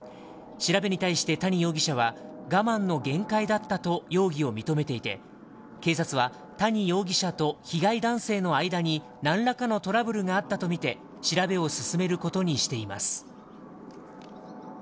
調べに対して、谷容疑者は我慢の限界だったと容疑を認めていて、警察は谷容疑者と被害男性の間に、なんらかのトラブルがあったと見て調べを進めることにしています。